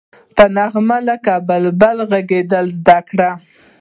په نغمه لکه بلبل غږېدل زده کړه.